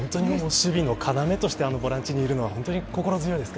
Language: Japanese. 守備の要としてボランチにいるのは、本当に心強いです。